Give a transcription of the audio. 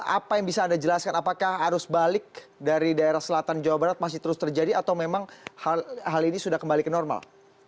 apa yang bisa anda jelaskan apakah arus balik dari daerah selatan jawa barat masih terus terjadi atau memang hal ini sudah kembali ke normal